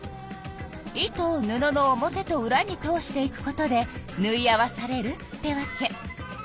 糸を布の表とうらに通していくことでぬい合わされるってわけ。